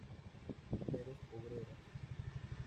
Mujeres obreras".